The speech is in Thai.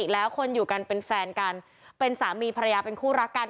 แล้วคนอยู่กันเป็นแฟนกันเป็นสามีภรรยาเป็นคู่รักกัน